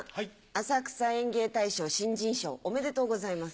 浅草芸能大賞新人賞おめでとうございます。